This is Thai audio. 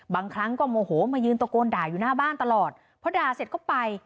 บางครั้งก็โมโหมายืนตะโกนด่าอยู่หน้าบ้านตลอดเพราะด่าเสร็จก็ไป